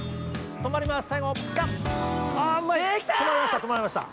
とまりましたとまりました。